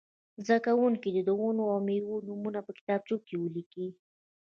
زده کوونکي دې د ونو او مېوو نومونه په کتابچه کې ولیکي.